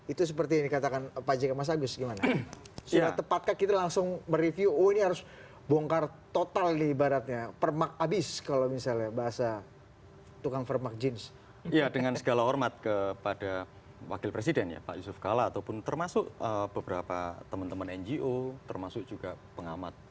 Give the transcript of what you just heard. itu seperti yang dikatakan pak jika mas agung